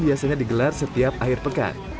biasanya digelar setiap akhir pekan